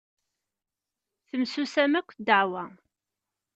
Temsusam akk ddeɛwa.